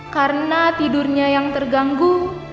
karena tidurnya yang terganggu